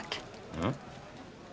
うん？